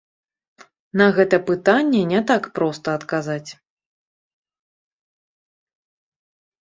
На гэта пытанне не так проста адказаць.